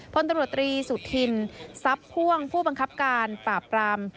พลตำรวจตรีสุธินทรัพย์พ่วงผู้บังคับการปราบปราม